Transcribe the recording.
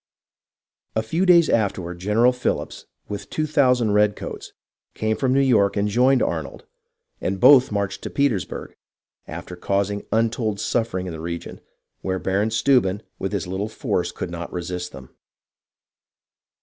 A few days afterward General Phillips, with 2000 red coats, came from New York and joined Arnold, and both marched to Petersburg, after causing untold suffering in the region, where Baron Steuben with his little force could not resist them.